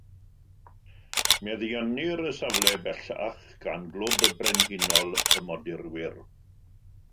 Meddiannir y safle bellach gan Glwb Brenhinol y Modurwyr.